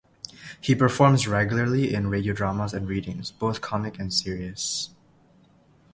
He performs regularly in radio dramas and readings, both comic and serious.